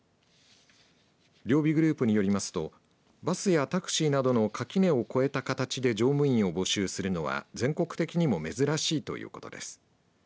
両備グループによりますとバスやタクシーなどの垣根を越えた形で乗務員を募集するのは全国的にも珍しいということです。